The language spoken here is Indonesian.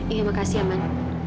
iya makasih ya man